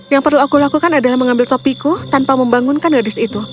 yang perlu aku lakukan adalah mengambil topiku tanpa membangunkan gadis itu